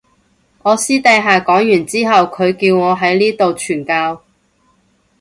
我私底下講完之後佢叫我喺呢度傳教